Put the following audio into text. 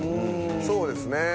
そうですね。